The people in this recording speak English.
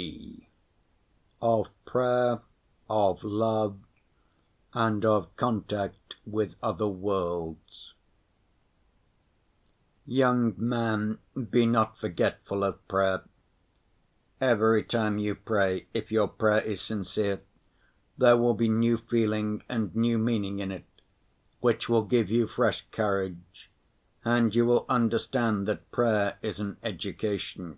(g) Of Prayer, of Love, and of Contact with other Worlds Young man, be not forgetful of prayer. Every time you pray, if your prayer is sincere, there will be new feeling and new meaning in it, which will give you fresh courage, and you will understand that prayer is an education.